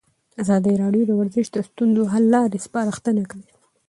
ازادي راډیو د ورزش د ستونزو حل لارې سپارښتنې کړي.